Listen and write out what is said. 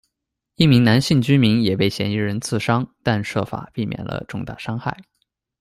一名男性居民也被嫌疑人刺伤，但设法避免了重大伤害。